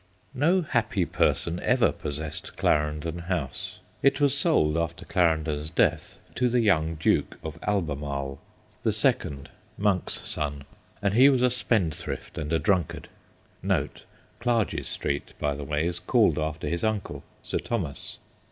No happy person ever possessed Claren don House. It was sold, after Clarendon's death, to the young Duke of Albemarle 26 THE GHOSTS OF PICCADILLY the second, Monk's son and he was a spendthrift and a drunkard. (Clarges Street, by the way, is called after his uncle, Sir Thomas.)